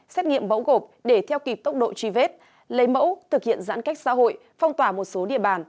xét nghiệm mẫu gộp để theo kịp tốc độ truy vết lấy mẫu thực hiện giãn cách xã hội phong tỏa một số địa bàn